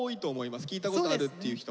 聴いたことあるっていう人もはい。